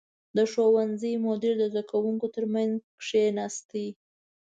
• د ښوونځي مدیر د زده کوونکو تر منځ کښېناست.